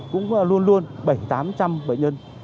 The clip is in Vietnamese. cũng luôn luôn bảy tám trăm linh bệnh nhân